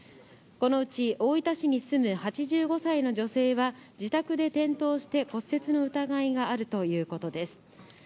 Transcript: このうち大分市に住む８５歳の女性は、自宅で転倒して骨折の疑いがあるということです。